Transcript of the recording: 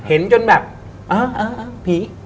เห็นจนแบบภีร์